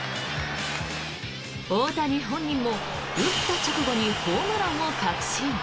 大谷本人も打った直後にホームランを確信。